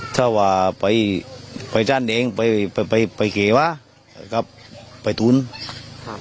ถ้าว่าไปไปจ้านเดิงไปไปไปไปเขวะกับไปตูนครับ